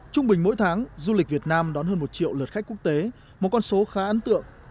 trung bình mỗi tháng du lịch việt nam đón hơn một triệu lượt khách quốc tế một con số khá ấn tượng